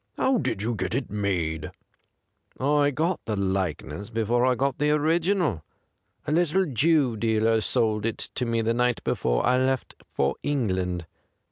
How did you get it made ?'' I got the likeness before I got the original. A little Jew dealer sold it me the night before I left for England.